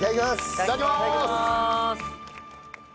いただきます。